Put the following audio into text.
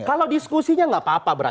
kalau diskusinya nggak apa apa berat berat